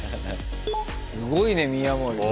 すごいね宮森君。